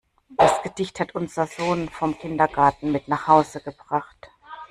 Das Gedicht hat unser Sohn vom Kindergarten mit nach Hause gebracht.